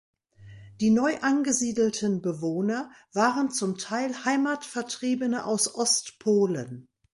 Die neu angesiedelten Bewohner waren zum Teil Heimatvertriebene aus Ostpolen.